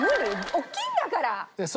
大きいんだから。